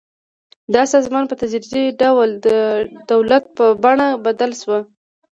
دا سازمان په تدریجي ډول د دولت په بڼه بدل شو.